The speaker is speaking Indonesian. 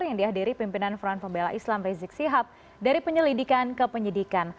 yang dihadiri pimpinan front pembela islam rizik sihab dari penyelidikan ke penyidikan